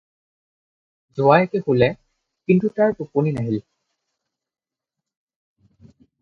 জোঁৱায়েকে শুলে, কিন্তু তাৰ টোপনি নাহিল।